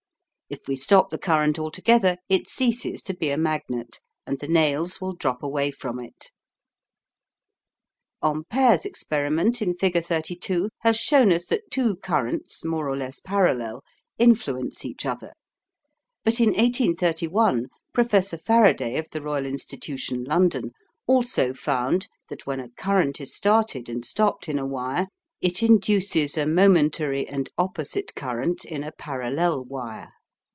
If we stop the current altogether it ceases to be a magnet, and the nails will drop away from it. Ampere's experiment in figure 32 has shown us that two currents, more or less parallel, influence each other; but in 1831 Professor Faraday of the Royal Institution, London, also found that when a current is started and stopped in a wire, it induces a momentary and opposite current in a parallel wire.